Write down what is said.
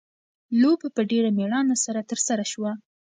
لوبه په ډېره مېړانه سره ترسره شوه.